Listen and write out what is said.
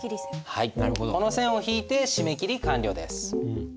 この線を引いて締め切り完了です。